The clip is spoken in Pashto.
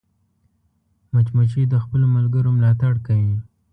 مچمچۍ د خپلو ملګرو ملاتړ کوي